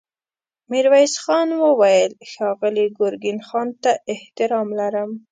ميرويس خان وويل: ښاغلي ګرګين خان ته احترام لرم.